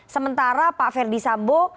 sementara pak verdi sambo